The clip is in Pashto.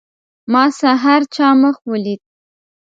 ما سحر چا مخ ولید.